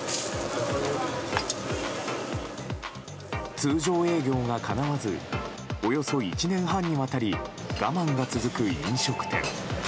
通常営業がかなわずおよそ１年半にわたり我慢が続く飲食店。